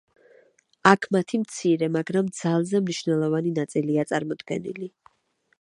აქ მათი მცირე, მაგრამ ძალზე მნიშვნელოვანი ნაწილია წარმოდგენილი.